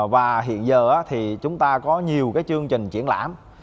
và hiện giờ thì chúng ta có nhiều cái chương trình triển lãm